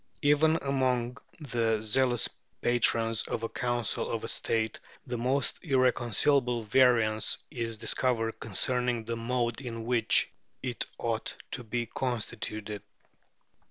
Even among the zealous patrons of a council of state, the most irreconcilable variance is discovered concerning the mode in which it ought to be constituted."